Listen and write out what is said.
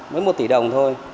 mấy một tỷ đồng thôi